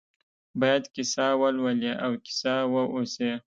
باید کیسه ولولي او کیسه واوسي.